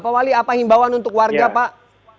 pak wali apa himbawan untuk warga pak